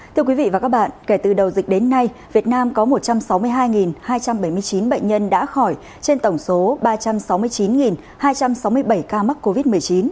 thưa quý vị và các bạn kể từ đầu dịch đến nay việt nam có một trăm sáu mươi hai hai trăm bảy mươi chín bệnh nhân đã khỏi trên tổng số ba trăm sáu mươi chín hai trăm sáu mươi bảy ca mắc covid một mươi chín